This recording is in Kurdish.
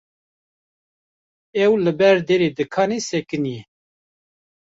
ew li ber derê dikanê sekiniye.